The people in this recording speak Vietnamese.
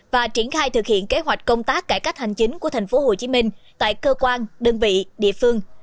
và triển khai thực hiện kế hoạch công tác cải cách hành chính của tp hcm tại cơ quan đơn vị địa phương